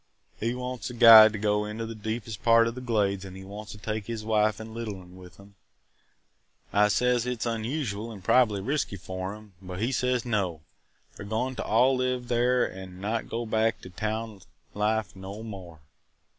He wants a guide to go into the deepest part of th' Glades an' he wants to take his wife and the little 'un with him. I says it 's unusual an' probably risky for 'em but he says no, they 're goin' to all live there an' not go back to town life no more.